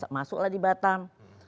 masuklah di batam